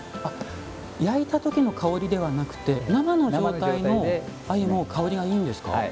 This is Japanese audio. あっ焼いた時の香りではなくて生の状態の鮎も香りがいいんですか？